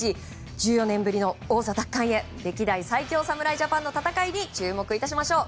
１４年ぶりに王座奪還へ歴代最強侍ジャパンの戦いに注目いたしましょう。